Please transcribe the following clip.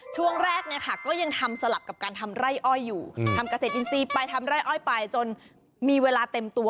ช่วงแรกเนี่ยค่ะก็ยังทำสลับกับการทำไร่อ้อยอยู่ทำเกษตรอินทรีย์ไปทำไร่อ้อยไปจนมีเวลาเต็มตัว